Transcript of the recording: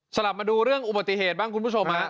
กลับมาดูเรื่องอุบัติเหตุบ้างคุณผู้ชมฮะ